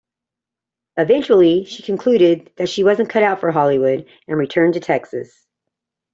Eventually, she concluded that she wasn't cut out for Hollywood, and returned to Texas.